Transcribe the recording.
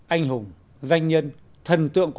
ảnh hưởng danh nhân thần tượng